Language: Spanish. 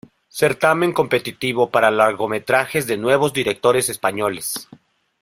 Certamen competitivo para largometrajes de nuevos directores españoles.